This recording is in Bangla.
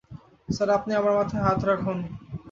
স্যার, আপনি আমার মাথায় হাত রাখুন।